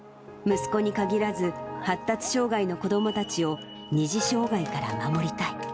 息子にかぎらず、発達障がいの子どもたちを二次障がいから守りたい。